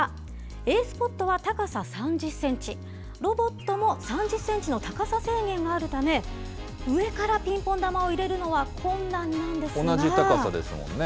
Ａスポットは高さ３０センチ、ロボットも３０センチの高さ制限があるため、上からピンポン球を入同じ高さですもんね。